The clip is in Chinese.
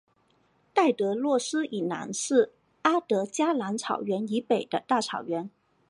戴德洛斯以南是阿德加蓝草原以北的大草原。